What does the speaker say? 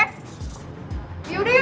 yaudah yaudah yuk